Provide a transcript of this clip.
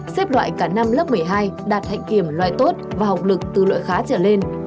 xếp loại cả năm lớp một mươi hai đạt hạnh kiểm loại tốt và học lực từ loại khá trở lên